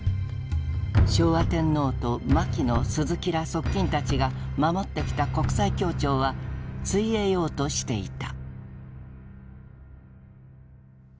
昭和天皇と牧野・鈴木ら側近たちが守ってきた国際協調はついえようとしていた。